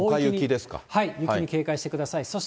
雪に警戒してください。